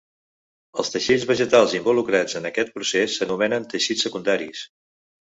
Els teixits vegetals involucrats en aquest procés s'anomenen teixits secundaris.